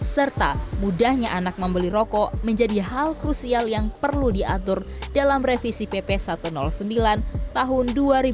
serta mudahnya anak membeli rokok menjadi hal krusial yang perlu diatur dalam revisi pp satu ratus sembilan tahun dua ribu dua puluh